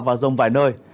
và rông vài nơi